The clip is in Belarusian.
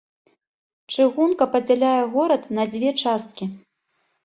Чыгунка падзяляе горад на дзве часткі.